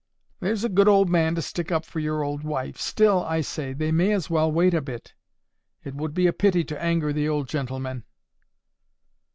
"There's a good old man to stick up for your old wife! Still, I say, they may as well wait a bit. It would be a pity to anger the old gentleman."